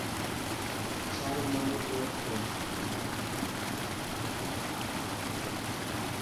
Ĉarmaj lokoj.